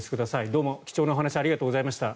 どうも貴重なお話ありがとうございました。